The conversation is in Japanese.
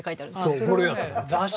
それはね